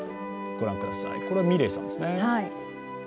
これはｍｉｒｅｉさんですね。